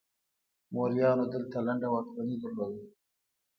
موریانو دلته لنډه واکمني درلوده